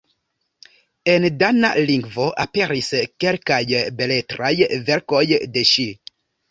En dana lingvo aperis kelkaj beletraj verkoj de ŝi.